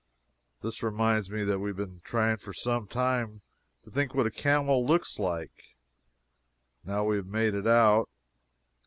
This reminds me that we have been trying for some time to think what a camel looks like, and now we have made it out.